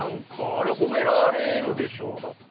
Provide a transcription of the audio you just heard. あれ褒められるでしょだって。